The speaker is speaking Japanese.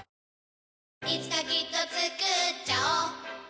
いつかきっとつくっちゃおう